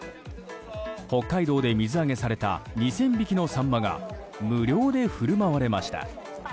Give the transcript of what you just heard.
北海道で水揚げされた２０００匹のサンマが無料で振る舞われました。